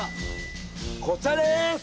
こちらです。